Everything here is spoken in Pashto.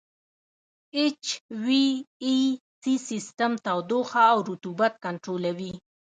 اچ وي اې سي سیسټم تودوخه او رطوبت کنټرولوي.